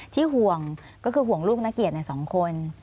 ห่วงก็คือห่วงลูกนักเกียรติในสองคน